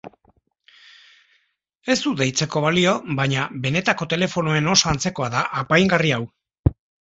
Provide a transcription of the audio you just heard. Ez du deitzeko balio baina benetako telefonoen oso antzekoa da apaingarri hau.